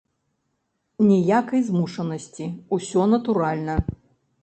Ніякай змушанасці, усё натуральна.